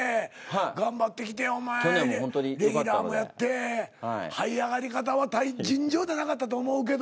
頑張ってきてお前レギュラーもやってはい上がり方は尋常じゃなかったと思うけど。